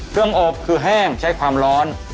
เครื่องอบคือแห้งใช้ความร้อน